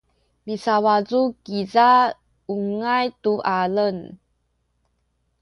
misawacu kiza ungay tu alem